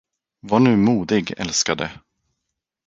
Var nu modig, älskade.